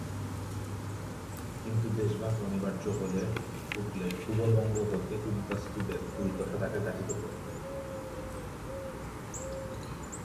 কিন্তু দেশভাগ অনিবার্য হলে উঠলে পূর্ববঙ্গ হতে উদ্বাস্তুদের দুর্দশা তাকে ব্যথিত করত।